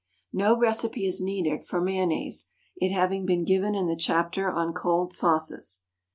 No recipe is needed for mayonnaise, it having been given in the chapter on cold sauces.